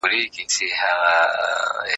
وزیرانو به نړیوال اصول منل.